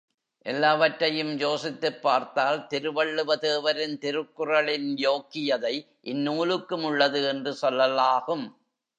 எல்லாவற்றையும் யோசித்துப் பார்த்தால் திருவள்ளுவ தேவரின் திருக்குறளின் யோக்கியதை இந்நூலுக்கும் உள்ளது என்று சொல்லலாகும்.